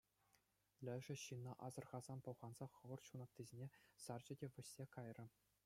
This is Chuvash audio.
Лешӗ, ҫынна асӑрхасан, пӑлханса хӑвӑрт ҫунаттисене сарчӗ те вӗҫсе кайрӗ.